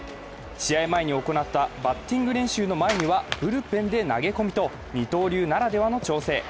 試合前に行ったバッティング練習の前にはブルペンで投げ込みと二刀流ならではの調整。